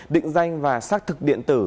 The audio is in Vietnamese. định danh và xác thực điện tử